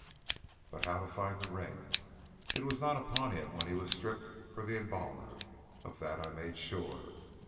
"But how to find the ring? It was not upon him when he was stripped for the embalmer. Of that I made sure.